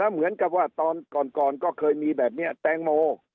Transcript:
เหมือนกับว่าตอนก่อนก็เคยมีแบบนี้แตงโม